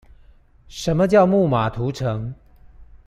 什麼叫木馬屠城